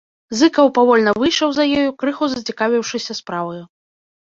Зыкаў павольна выйшаў за ёю, крыху зацікавіўшыся справаю.